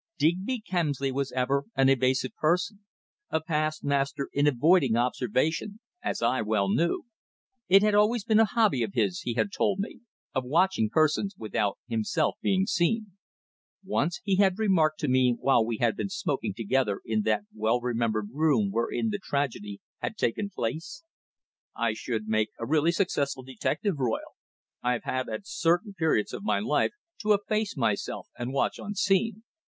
Digby Kemsley was ever an evasive person a past master in avoiding observation, as I well knew. It had always been a hobby of his, he had told me, of watching persons without himself being seen. Once he had remarked to me while we had been smoking together in that well remembered room wherein the tragedy had taken place: "I should make a really successful detective, Royle. I've had at certain periods of my life to efface myself and watch unseen.